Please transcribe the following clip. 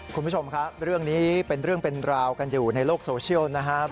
คุณผู้ชมครับเรื่องนี้เป็นเรื่องเป็นราวกันอยู่ในโลกโซเชียลนะครับ